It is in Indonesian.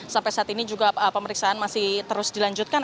sampai saat ini juga pemeriksaan masih terus dilanjutkan